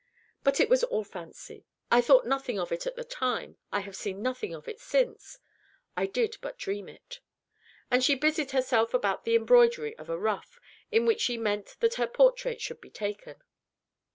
But it was all fancy. I thought nothing of it at the time I have seen nothing of it since I did but dream it." And she busied herself about the embroidery of a ruff, in which she meant that her portrait should be taken.